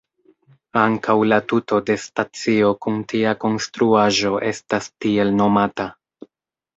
Ankaŭ la tuto de stacio kun tia konstruaĵo estas tiel nomata.